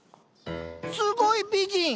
すごい美人！